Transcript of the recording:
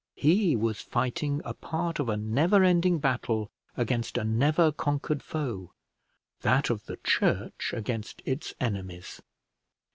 He was fighting a part of a never ending battle against a never conquered foe that of the church against its enemies.